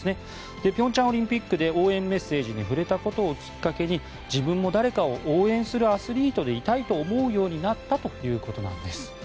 平昌オリンピックで応援メッセージに触れたことをきっかけに自分も誰かを応援するアスリートでいたいと思うようになったということなんです。